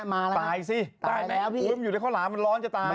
ตายสิตายแล้วพื้นมันอยู่ในข้าวหลามมันร้อนจะตาย